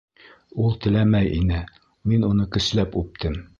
— Ул теләмәй ине, мин уны көсләп үптем.